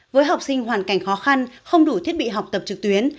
với học sinh hoàn cảnh khó khăn không đủ thiết bị học tập trực tuyến